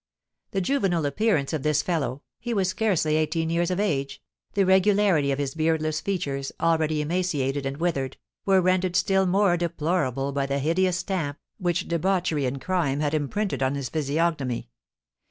The juvenile appearance of this fellow (he was scarcely eighteen years of age), the regularity of his beardless features, already emaciated and withered, were rendered still more deplorable by the hideous stamp which debauchery and crime had imprinted on his physiognomy.